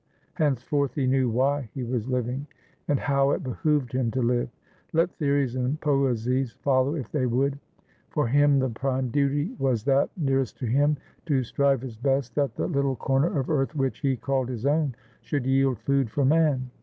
Henceforth he knew why he was living, and how it behooved him to live. Let theories and poesies follow if they would: for him, the prime duty was that nearest to him, to strive his best that the little corner of earth which he called his own should yield food for man.